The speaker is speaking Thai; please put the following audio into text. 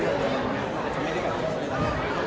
แล้วก็ฟังเช้นท์ก็ตอบมา